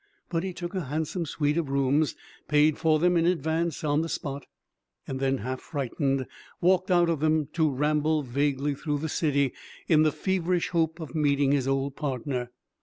But he took a handsome suite of rooms, paid for them in advance on the spot, and then, half frightened, walked out of them to ramble vaguely through the city in the feverish hope of meeting his old partner.